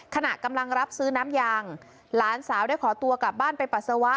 ขณะกำลังรับซื้อน้ำยางหลานสาวได้ขอตัวกลับบ้านไปปัสสาวะ